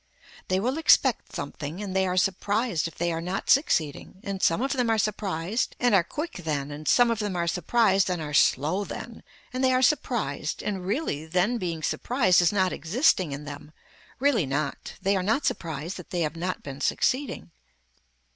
They will expect something and they are surprised if they are not succeeding and some of them are surprised and are quick then and some of them are surprised and are slow then and they are surprised and really then being surprised is not existing in them, really not, they are not surprised that they have not been succeeding.